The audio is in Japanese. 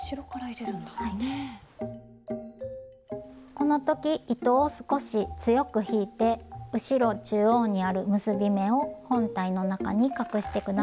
この時糸を少し強く引いて後ろ中央にある結び目を本体の中に隠して下さいね。